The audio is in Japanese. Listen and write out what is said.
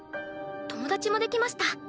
友達もできました。